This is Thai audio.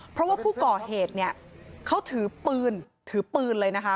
เพราะว่าผู้ก่อเหตุเนี่ยเขาถือปืนถือปืนเลยนะคะ